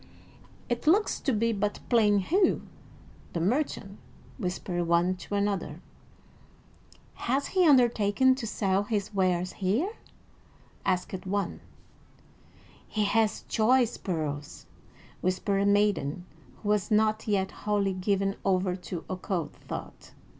"It looks to be but plain Hugh, the merchant," whispered one to another. "Hath he undertaken to sell his wares here?" asked one. "He hath choice pearls," whispered a maiden who was not yet wholly given over to occult thought.